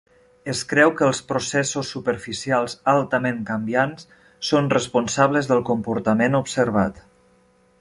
Es creu que els processos superficials altament canviants són responsables del comportament observat.